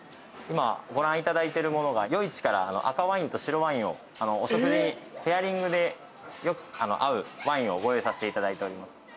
今ご覧いただいてるものが余市から赤ワインと白ワインをお食事にペアリングで合うワインをご用意させていただいております。